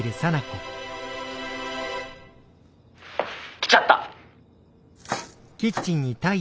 「来ちゃった！」。